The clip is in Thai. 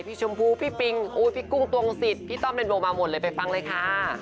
พี่ชมพูพี่ปิงอุ๊ยพี่กุ้งตวงสิทธิ์พี่ต้อมเดนโบมาหมดเลยไปฟังเลยค่ะ